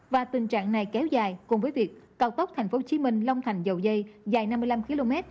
và tình trạng này kéo dài cùng với việc cao tốc tp hcm long thành dầu dây dài năm mươi năm km